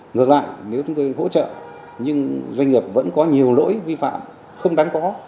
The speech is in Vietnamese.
ngược lại nếu chúng tôi hỗ trợ nhưng doanh nghiệp vẫn có nhiều lỗi vi phạm không đáng có